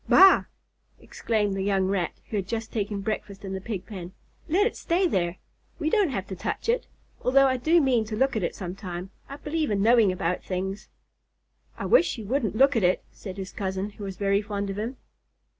"Bah!" exclaimed the young Rat who had just eaten breakfast in the Pig pen. "Let it stay there! We don't have to touch it, although I do mean to look at it some time. I believe in knowing about things." "I wish you wouldn't look at it," said his cousin, who was very fond of him.